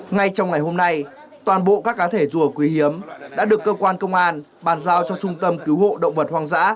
ngay trong ngày hôm nay toàn bộ các cá thể rùa quý hiếm đã được cơ quan công an bàn giao cho trung tâm cứu hộ động vật hoang dã